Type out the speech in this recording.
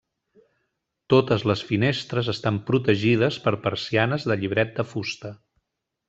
Totes les finestres estan protegides per persianes de llibret de fusta.